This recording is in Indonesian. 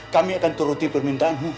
kami akan turuti permintaanmu